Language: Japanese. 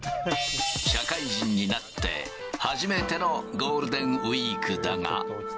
社会人になって初めてのゴールデンウィークだが。